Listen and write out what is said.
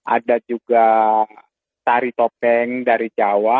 ada juga tari topeng dari jawa